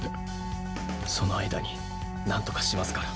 その間になんとかしますから。